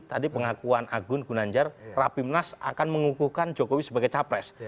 tadi pengakuan agun gunanjar rapimnas akan mengukuhkan jokowi sebagai capres